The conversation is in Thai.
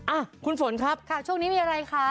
อ่ะคุณฝนครับค่ะช่วงนี้มีอะไรคะ